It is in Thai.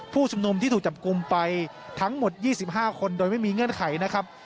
ผู้ชุมนุมที่ถูกจับกลุ่มไปทั้งหมด๒๕คนโดยไม่มีเงื่อนไขนะครับ